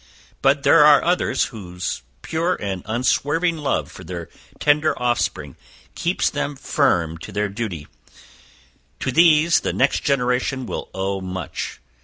But there are others whose pure and unswerving love for their tender off spring keeps them firm to their duty; to these the next generation will owe much.